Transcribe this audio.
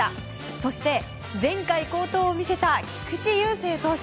そして、前回好投を見せた菊池雄星投手。